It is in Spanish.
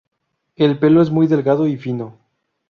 El pelo es muy delgado y fino.